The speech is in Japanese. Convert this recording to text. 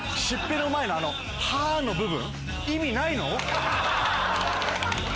しっぺの前のあの「はぁ」の部分意味ないの？